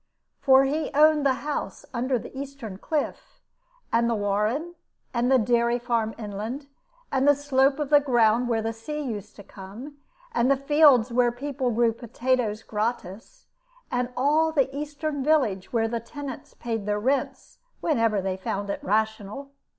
For he owned the house under the eastern cliff, and the warren, and the dairy farm inland, and the slope of the ground where the sea used to come, and fields where the people grew potatoes gratis, and all the eastern village, where the tenants paid their rents whenever they found it rational.